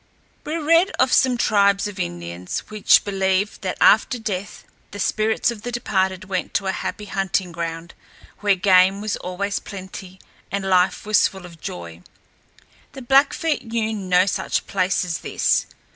We read of some tribes of Indians which believed that after death the spirits of the departed went to a happy hunting ground where game was always plenty and life was full of joy. The Blackfeet knew no such place as this.